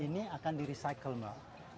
ini akan di recycle mbak